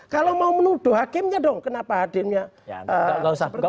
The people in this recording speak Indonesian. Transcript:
kalau mau menuduh hakimnya dong kenapa hakimnya seperti itu